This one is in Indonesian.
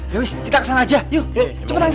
yowis kita kesana aja yuk cepetan kita tangkep